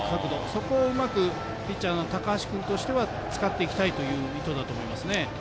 そこをうまくピッチャーの高橋君としては使っていきたいという意図だと思います。